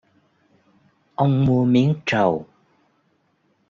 Ông mua miếng trầu